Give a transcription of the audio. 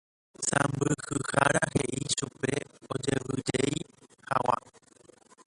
Sãmbyhyhára he'i chupe ojevyjey hag̃ua